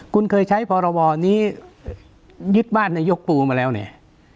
คุณเคยใช้พรบนี้ยึดบ้านนายกปูมาแล้วเนี่ย